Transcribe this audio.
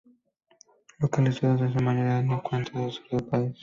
Localizados en su mayoría en el centro y sur del país.